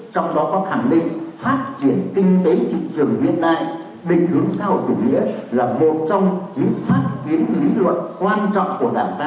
trong đó có khẳng định phát triển kinh tế thị trường hiện nay định hướng xã hội chủ nghĩa là một trong những phát tiến lý luận quan trọng của đảng ta